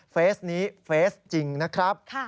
เฟสนี้เฟสจริงนะครับ